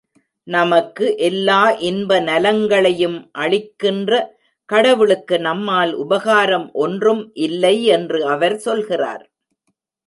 நமக்கு எல்லா இன்ப நலங்களையும் அளிக்கின்ற கடவுளுக்கு நம்மால் உபகாரம் ஒன்றும் இல்லை என்று அவர் சொல்கிறார்.